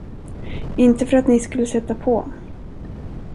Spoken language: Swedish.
Inte för att ni skulle sätta på.